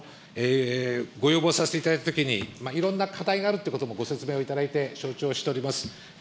ご要望させていただいたときに、いろんな課題があるということもご説明をいただいて、承知をしております。